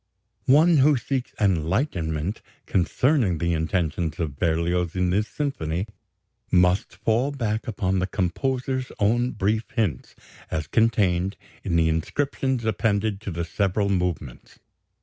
One who seeks enlightenment concerning the intentions of Berlioz in this symphony must fall back upon the composer's own brief hints as contained in the inscriptions appended to the several movements.